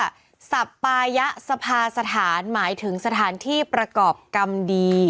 สัปปายะสภาสถานหมายถึงสถานที่ประกอบกรรมดี